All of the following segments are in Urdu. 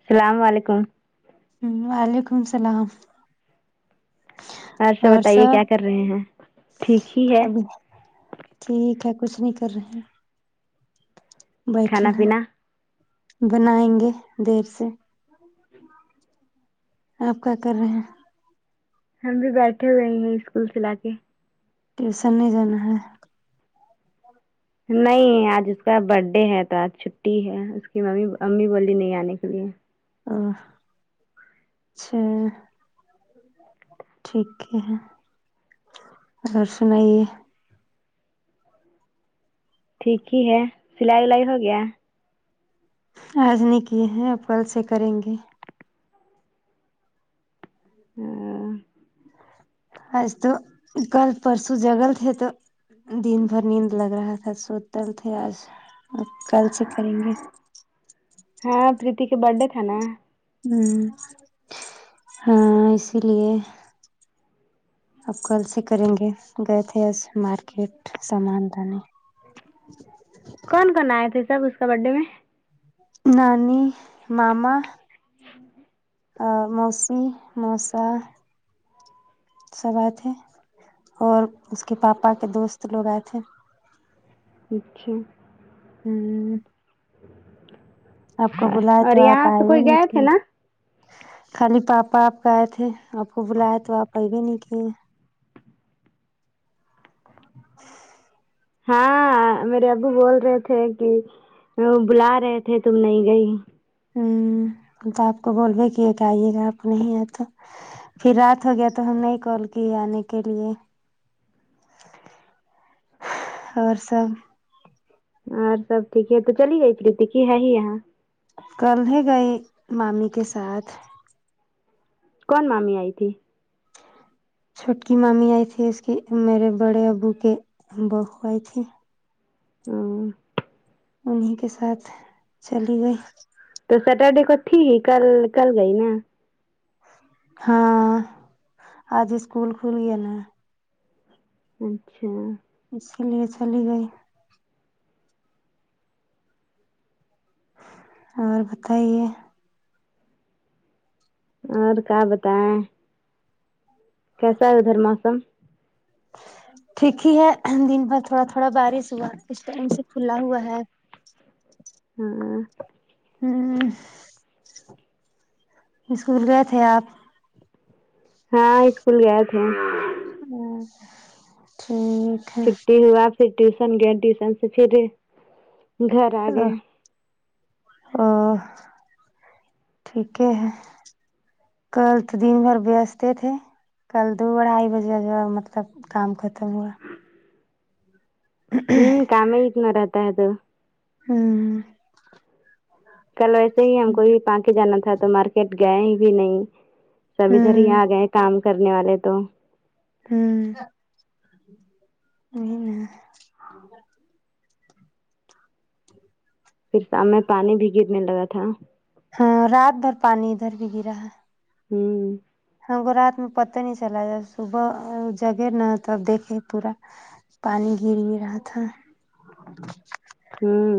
السلام علیکم ہمم وعلیکم السلام اور بتائیے کیا سب کر رہے ہیں ٹھیک ہی ہے [unintelligible] ابھی ٹھیک ہے کچھ نہیں کر رہے بیٹھے کھانا ہے پینا بنائینگے دیر سے آپ کیا کر رہے ہیں ہم بھی بیٹھے ہوئے ہیں اسکول سے لا کے ٹیوشن نہیں جانا ہے نہیں آج اس کا برتھ ڈے ہے تو آج چھٹی ہے اس کی ممی امی بولی نہیں آنے کے لیے آ اچھا ٹھیک ہے اور سنائیے ٹھیک ہی ہے سلائی ولائی ہو گیا آج نہیں کیے ہیں کل سے کریں گے ہمم ایس تو کل پرسوں جگل تھے تو دن بھر نیند لگ رہا تھا سوتل تھے آج کل سے کریں گے ہاں پرریتی کے برتھ ڈے تھا نا ہمم ہاں اسی لیے اب کل سے کریں گے گئے تھے ایس مارکیٹ سامان لا نے کون کون آئے تھے سب اس کا برتھ ڈے میں نانی ماما ہ آ موسیی موسا سب آئے تھے اور اس کے پاپا کے دوست لوگ آئے تھے اچھا ہمم آپ کو بلائے اور تو آپ یہاں سے آئے کوئی گئے تھے [unintelligible] میں نا خالی پاپا آپ گئے تھے آپ کو بلایا تو آپ آے بھی نہیں تھے ہاں میرے ابو بول رہے تھے کہ وہ بلا رہے تھے تم نہیں گئی ہوں تو آپ کو فون کئے تھے آ ئیے گا آپ نہیں آے تو پھر رات ہو گیا تو ہم نے ہی کال کی آنے کے لیے اور سب اور سب ٹھیک ہے تو چلی گئی پریتی کی ہے ہی یہاں کل ہی گئی مامی کے ساتھ کون مامی آئی تھی چھوٹکی مامی آئی تھی اس کی میرے بڑے ابو کے بہو آئی تھی ہوں انھیں کے ساتھ چلی گئی تو سٹرڈے کو تھی ہی کل کل گئی نا ہاں آج اسکول کھلی ہے نا اچھا اسی لیے چلی گئی اور بتائیے اور کا بتائیں کیسا ہے ادھر موسم ٹھیک ہی ہے دن بھر تھوڑا تھوڑا بارش ہوا اس ٹائم سے کھلا ہوا ہے ہاں ہوں اسکول گئے تھے آپ ہاں اسکول گئے تھے ہاں ٹھیک ہے چھٹی ہوا پھر ٹیوشن گئے ٹیوشن سے پھر گھر آگئے او ٹھیک ہے کل تو دن بھر ویست تھے کل دو اڑھائی بجے جو مطلب کام ختم ہوا ہوں کام ہی اتنا رہتا ہے تو ہوں کل ویسے ہی ہم کو ہی پان کے جانا تھا تو مارکیٹ گئے بھی نہیں سب ادھر ہی ہوں آ گئے کام کرنے والے تو ہوں نہیں نہ پھر شام میں پانی بھی گرنے لگا تھا ہاں رات بھر پانی ادھر بھی گرا ہے ہوں ہم کو رات میں پتہ نہیں چلا جب صبح جگے نا تب دیکھے پورا پانی گر بھی رہا تھا ہوں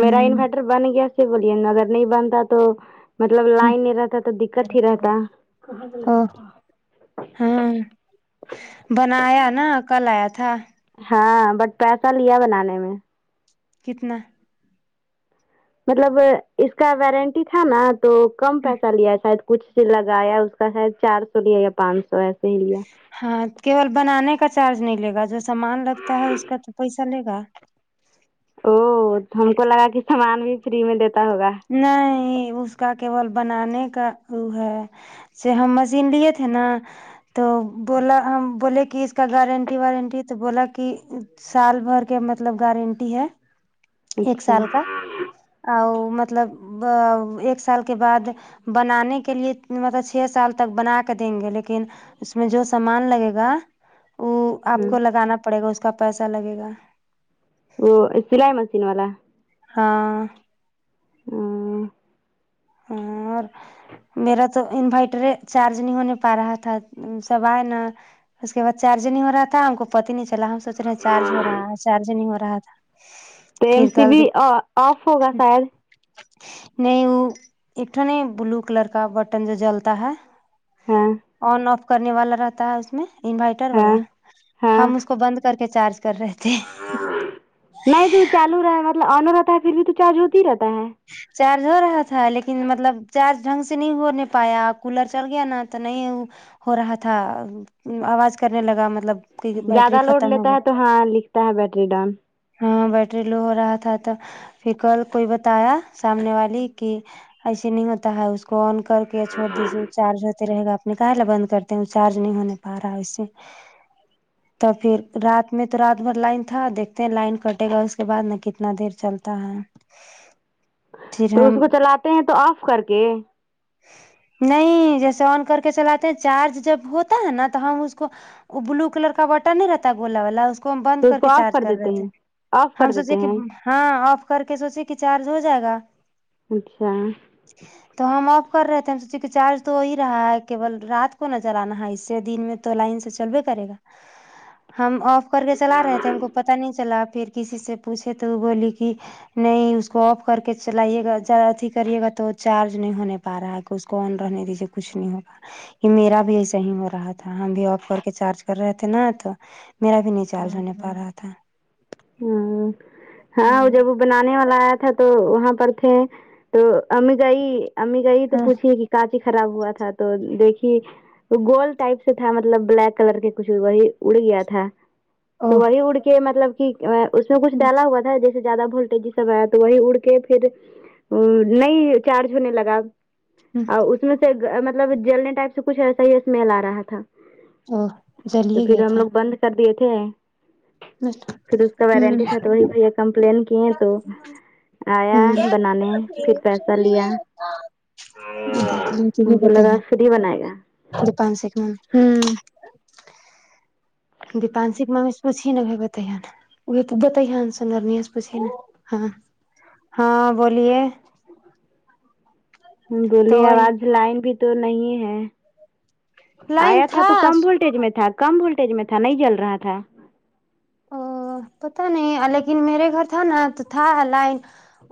میرآین ورٹر بن گیا سے بولیے اگر نہیں بنتا تو مطلب لائن نہیں رہتا تو دقت ہی رہتا او ہاں بنایا نا کل آیا تھا ہاں بٹ پیسہ لیا بنانے میں کتنا مطلب اس کا وارنٹی تھا نا تو کم پیسہ لیا شاید کچھ لگایا اس کا شاید چار سو لیا یا پانچ سو ایسے ہی لیا ہاں کیول بنانے کا چارج نہیں لے گا جو سامان لگتا ہے اس کا تو پیسہ لے گا او ہم کو لگا کی سامان بھی فری میں دیتا ہوگا نہیں اس کا کیول بنانے کا وہ ہے سے ہم مشین لیے تھے نا تو بولا ہم بولے کی اس کا گارنٹی وارنٹی تو بولا کی سال بھر کے مطلب گارنٹی ہے ایک اچھا سال کا اور مط لب آ ایک سال کے بعد بنانے کے لیے مطلب چھ سال تک بنا کے دیں گے لیکن اس میں جو سامان لگے گا وہ آپ ہاں کو لگانا پڑے گا اس کا پیسہ لگے گا وہ سلائی مشین والا ہاں آمم اور میرا تو انورٹر چارج نہیں ہونے پا رہا تھا سب آئے نا اس کے بعد چارج نہیں ہو رہا تھا ہم کو پتی نہیں چلا ہم سوچ رہے چارج ہو رہا ہے چارج نہیں ہو رہا تھا تو ایم پھر سی کل بی آو آف ہوگا شاید نہیں وہ ایکٹھا نہیں بلو کلر کا بٹن جو جلتا ہے ہاں آن آف کرنے والا رہتا ہے اس میں انوٹر والا ہاں ہاں ہم اس کو بند کر کے چارج کر رہے تھے نہیں تو چالو رہا ہے مطلب آن ہو رہتا ہے پھر بھی تو چارج ہوتا ہی رہتا ہے چارج ہو رہا تھا لیکن مطلب چارج ڈھنگ سے نہیں ہونے پایا کولر چل گیا نا تو نہیں ہو رہا تھا آواز کرنے لگا مطلب کی بیٹری زیادہ لوڈ ختم ہو لیتا گئی ہے تو ہاں لکھتا ہے بیٹری ڈاؤن ہاں بیٹری لو ہو رہا تھا تو پھر کل کوئی بتایا سامنے والی کی ایسے نہیں ہوتا ہے اس کو آن کر کے چھوڑ دیجیے چارج تے رہے گا آپ نکال ل بند کرتے ہیں وہ چارج نہیں ہونے پا رہا ہے اس سے تو پھر رات میں تو رات بھر لائن تھا دیکھ تے لائن کٹے گا اس کے بعد نا کتنا دیر چلتا ہے پھر تو اس ہم کو چلاتے ہیں تو آف کر کے نہیں جیسے آن کر کے چلاتے ہیں چارج جب ہوتا ہے نا تو ہم اس کو وہ بلو کلر کا بٹن نہیں رہتا گولا والا اس کو ہم بند تو اس کر کو کے آف چارج دیتے ہیں رہتے آف ہم کر دیتے سوچے کی ہیں ہاں آف کر کے سوچے کی چارج ہو جائے گا اچھا تو ہم آف کر رہے تھے ہم سوچے کی چارج تو ہی رہا ہے کیول رات کو نہ چلانا ہے اس سے دن میں تو لین سے چل بھی کرے گا ہم آف کر کےچالا رہے تھے پتہ نہیں چلا پھر کسی سے پوچھے تو بولی کی نہیں اس کو آف کر کے چلائیے گا جاتی کریے گا تو چارج نہیں ہونے پا رہا ہے کہ اس کو آن رہنے دیجیے کچھ نہیں ہوگا میرا بھی ایسا ہی ہو رہا تھا ہم بھی آف کر کے چارج کر رہے تھے نا تو میرا بھی نہیں چارچ ہونے پا رہا تھا ہمم ہاں آو جب بنانے والا آیا تھا تو وہاں پر تھے تو امی گئی امی گئی تو ہاں پوچھے گی تاکی خراب ہوا تھا تو دیکھیے وہ گول ٹائپ سے تھا مطلب بلیک کلر کے کچھ وہی اڑ گیا تھا تو او وہی اڑ کے مطلب کی اس میں کچھ ڈالا ہوا تھا دیک سے زیادہ ولٹیج سب آیا تو وہی اڑ کے پھر نہیں چارج ہونے لگا اور اس میں سے مطلب جلنے ٹائپ سے کچھ ایسا ہی اسمیل آ رہا تھا او تو جلیے پھر گیا ہم تھا لوگ بند کر دیے تھے پھر اس کا وارنٹی تھا تو وہی بھیا کمپلین کیے تو ہ آیا ہ بنانے پھر پیسہ لیا دیکھ لی ہم [unintelligible] کو لگا فری بنائے گا جاپان سکنا ہمم دیپانشپ [unintelligible] [unintelligible] ہاں ہاں بولیے بولیے آواز لائن بھی تو نہیں ہے آیا تھا تو کم وولٹیج میں تھا کم وولٹیج میں تھا نہیں جل رہا تھا او پتہ نہیں الیکن میرے گھر تھا نا تو تھا لائن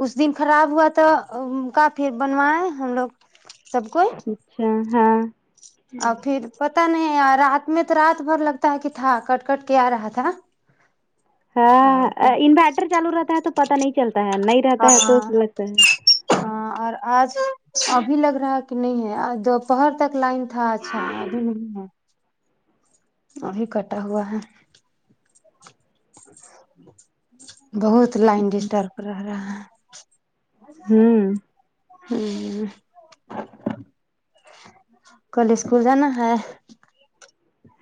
اس دن خراب ہوا تو ان کا پھر بنوائے ہم لوگ سب کوئی اچھا ہاں اور پھر پتہ نہیں رات میں تو رات بھر لگتا ہے کی تھا کٹ کٹ کے آ رہا تھا ہاں انوائٹر چالو رہتا ہے تو پتہ نہیں چلتا ہے نہیں رہتا ہے تو اس ہاں میں لگتا ہے ہاں اور آج ابھی لگ رہا کی نہیں ہے دوپہر تک لائن تھا اچھا ابھی نہیں ہے وہ بھی کٹا ہوا ہے بہت لائن ڈسٹرب رہ رہا ہے ہوں ہمم کل اسکول جانا ہے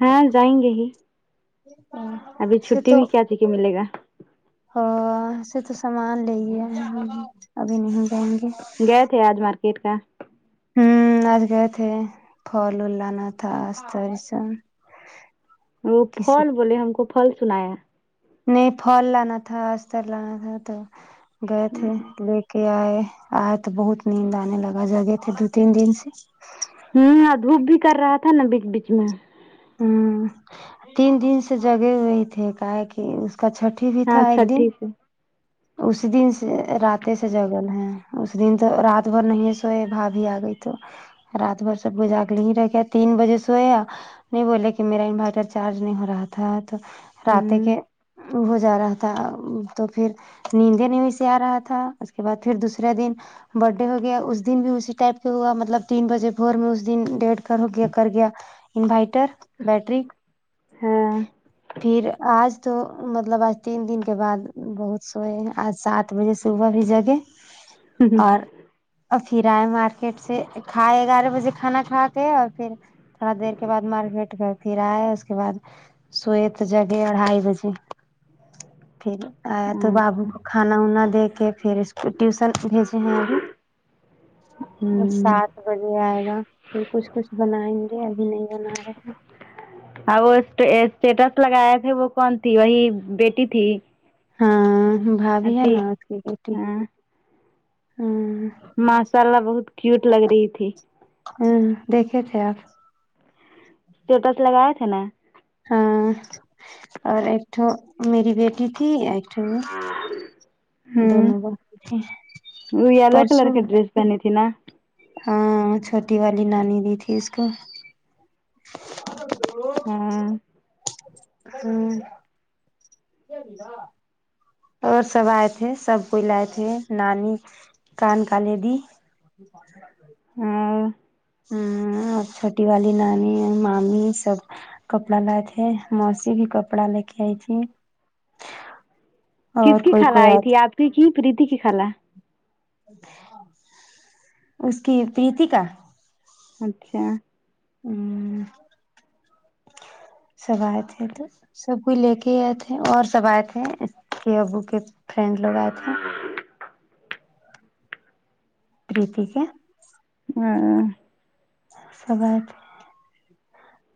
ہاں جائیں گے ہی ہمم ابھی چھٹی بھی کیا تھی کہ ملے گا ہاں ایسے تو سامان لے یے ہم ابھی نہیں جائیں گے گئے تھے آج مارکیٹ کا ہمم آج گئے تھے پھل ول لانا تھا آج تو ایسا وہ پھال بولے ہم کو پھل سنایا نہیں پھل لانا تھا استر لانا تھا تو گئے ہوں تھے لے کے آئے آئے تو بہت نیند آنے لگا جگہ تھے دو تین دن سے ہمم دھوپ بھی کر رہا تھا نا بیچ بیچ میں ہمم تین دن سے جگے ہوئے تھے کا ہے کی اس کا چھٹ ہاں چھٹھی سے ہے اس دن سے رات سے جگے ہے اس دن تو رات بھر نہیں سوئے بھابی آ گئی تو رات بھر سب جا کے لے ہی رکھ کے تین بجے سوئے ہے نہیں بولے کی میرا انورٹر چارج نہیں ہو رہا تھا تو رتے ہوں کے ہو جا رہا تھا تو پھر نیندے نہیں وی سے آ رہا تھا اس کے بعد پھر دوسرے دن برتھ ڈے ہو گیا اس دن بھی اسی ٹائپ کے ہوا مطلب تین بجے بور میں اس دن ڈیھ کر ہو گیا کر گیا انوائٹر بیٹری ہاں پھر آج تو مطلب آج تین دن کے بعد بہت سوئے آج سات بجے صبح بھی جگے اور اور پھر آئے مارکیٹ سے کھائے گیارہ بجے کھانا کھا کے اور پھر تھوڑا دیر کے بعد مارکیٹ گے پھر یے اس بعد سو تو جگے اھائی بجے پھر آیا تو بابو کو کھانا وانا دے کے پھر اس تو ٹیوشن بھیجے ہیں ابھی اور ہوں ساتھ بجے آئے گا تو کچھ کچھ بنائیں گے ابھی نہیں بنا رہے ہیں اور وہ اسٹیٹس لگائے تھے وہ کون تھی وہی بیٹی تھی ہاں بھابھی ہے اھی نا اس کی بیٹی ہاں ہاں ماشاللہ بہت کیوٹ لگ رہی تھی ہوں دیکھے تھے آپ اسٹیٹس لگاے تھے نا ہاں ں اور ایک تھو میری بیٹی تھی ایک ہوں بہن تھی وہ یلو کلر پرسوں کے ڈریس پہنی تھی نا ہاں چھوٹی والی نانی دی تھی اس کو [unintelligible] ہاں ہوں [unintelligible] اور سب آئے تھے سب کو لاے تھے نانی کان کالے دی [unintelligible] ہوں ہوں ں چھوٹی والی نانی مامی سب کپڑا لائے تھے موسی بھی کپڑا لے کے آئی تھی کس اور کی کوئی خالہ کوئی آ آئی تھی آپ کی کی پریتی کی خالہ اس کی پریتی کا اچھا ہممم سب آ ے تھے تو سب کوئی لے کے آئے تھے اور سب آئے تھے اس کے ابو کے فرینڈ لوگ آئے تھے [unintelligible] ٹھیک ہے ہاں سب اے تھے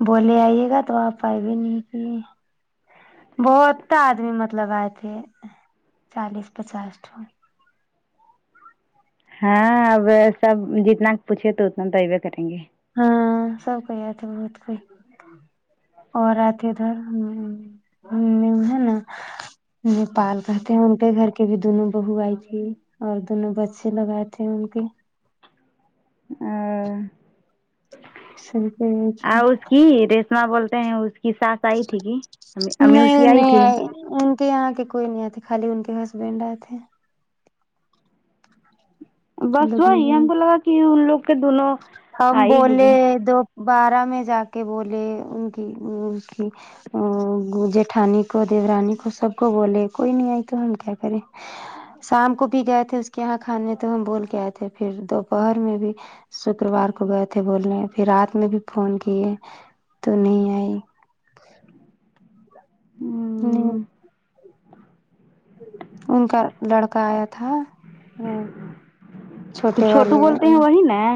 بولے آئیے گا تو آپ پائی بھی نہیں کی بہت تھا آدمی مطلب آئے تھے چالیس پچاس ہاں اب سب جتنا پوچھے تو اتنا تووے کریں گے ہاں سب کوئی آتی بہت کوئی اور آتی ہے نا نیپال گے تھے ہیں ان کے گھر کے بھی دونوں بہو آئی تھی اور دونوں بچے لگائے تھے ان کے اور سب کوئی آئے تھے او اسکی ہاں بولتے ہیں اس کی ساس آئی تھی کہ امی اس کی نہیں آئی نہیں تھی آئے ان کے یہاں کے کوئی نہیں آئے تھے خالی ان کے ہسبینڈ آئے تھے وہ بس لوگ وہی ہم نہیں کو لگا کہ ان لوگ کے دو نوں ہم بولے دوبارہ میں جا کے بولے ان کی اس کی ہوں جٹھانی کو دیورانی کو سب کو بولے کوئی نہیں آئے تو ہم کیا کریں شام کو بھی گئے تھے اس کے یہاں کھانے تو ہم بول کے آئے تھے پھر دوپہر میں بھی شکروار کو گئے تھے بولنے پھر رات میں بھی فون کیے تو نہیں آئی ہوں ان کا لڑکا آیا تھا ہوں تو چھوٹے والے چھوٹو بولتے ہوں ہیں وہی نا